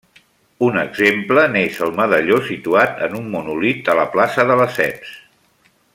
Un exemple n'és el medalló situat en un monòlit a la plaça de Lesseps.